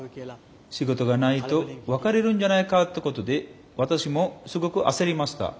仕事がないと別れるんじゃないかってことで私もすごく焦りました。